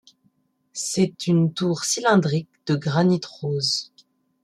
C'est une tour cylindrique de granit rose.